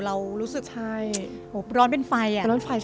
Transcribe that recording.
เรารู้สึกร้อนเป็นไฟ